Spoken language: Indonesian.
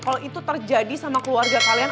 kalau itu terjadi sama keluarga kalian